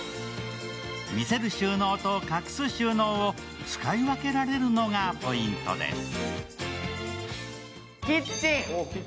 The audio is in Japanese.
見せる収納と隠す収納を使い分けられるのがポイントです。